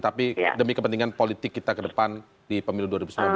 tapi demi kepentingan politik kita ke depan di pemilu dua ribu sembilan belas